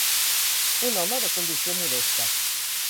Un home de condició modesta.